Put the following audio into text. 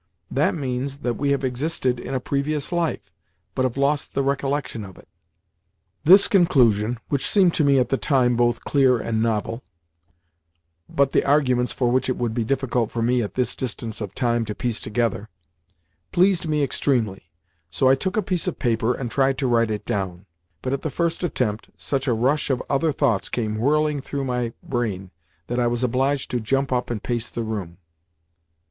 That means that we have existed in a previous life, but have lost the recollection of it." This conclusion—which seemed to me at the time both clear and novel, but the arguments for which it would be difficult for me, at this distance of time, to piece together—pleased me extremely, so I took a piece of paper and tried to write it down. But at the first attempt such a rush of other thoughts came whirling though my brain that I was obliged to jump up and pace the room.